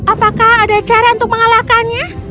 apakah ada cara untuk mengalahkannya